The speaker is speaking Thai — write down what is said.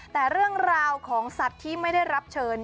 แต่เรื่องราวของสัตว์ที่ไม่ได้รับเชิญ